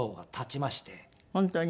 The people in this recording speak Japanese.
本当に。